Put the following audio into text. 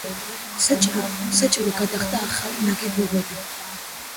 საჭირო გახდა ახალი ნაგებობები.